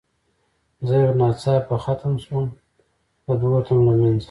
زه یو ناڅاپه خم شوم، د دوو تنو له منځه.